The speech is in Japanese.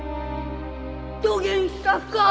どげんしたとか？